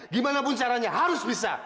gimanapun caranya harus bisa